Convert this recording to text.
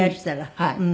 はい。